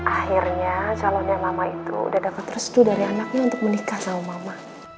akhirnya calonnya mama itu udah dapet restu dari anaknya untuk menikah sama mama